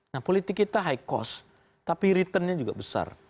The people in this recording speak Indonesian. nah politik kita high cost tapi returnnya juga besar